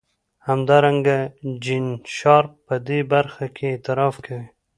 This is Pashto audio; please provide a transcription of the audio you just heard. همدارنګه جین شارپ په دې برخه کې اعتراف کوي.